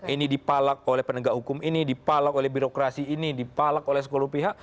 ini dipalak oleh penegak hukum ini dipalak oleh birokrasi ini dipalak oleh sepuluh pihak